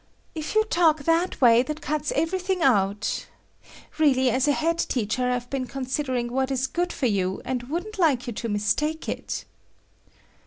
"If you talk that way, that cuts everything out. Really, as a head teacher, I've been considering what is good for you, and wouldn't like you to mistake it."